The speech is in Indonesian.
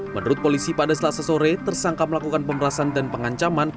menurut polisi pada selasa sore tersangka melakukan pemerasan dan pengancaman